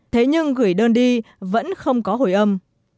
thế nhưng gửi đơn đi vẫn không có hồi âm